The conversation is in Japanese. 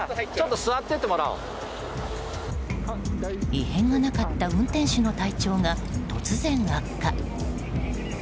異変がなかった運転手の体調が突然悪化。